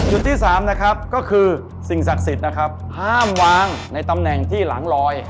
ที่สามนะครับก็คือสิ่งศักดิ์สิทธิ์นะครับห้ามวางในตำแหน่งที่หลังลอย